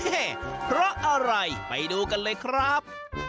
เพราะอะไรไปดูกันเลยครับ